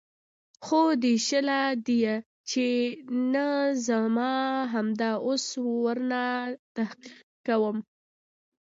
خو دى شله ديه چې نه زه همدا اوس ورنه تحقيق کوم.